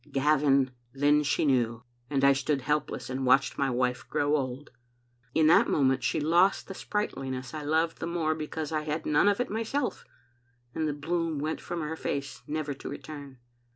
"Gavin, then she knew; and I stood helpless and watched my wife grow old. In that moment she lost the sprightliness I loved the more because I had none of it myself, and the bloom went from her face never to return.